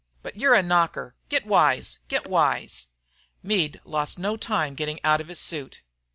But you're a knocker. Get wise! Get wise!" Meade lost no time in getting out of his suit.